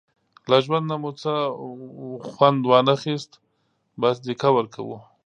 له ژوند نه مو څه وخوند وانخیست، بس دیکه ورکوو.